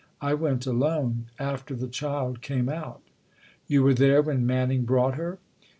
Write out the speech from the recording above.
I went alone after the child came out." " You were there when Manning brought her